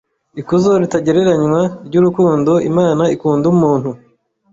Ikuzo ritagereranywa ry’urukundo Imana ikunda umuntu